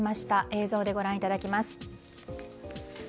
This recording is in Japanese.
映像でご覧いただきます。